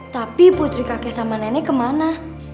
tapi putri kakek sama nenek kemana